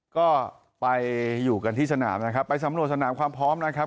ก็ไปอยู่กันที่สนามนะครับไปสำรวจสนามความพร้อมนะครับ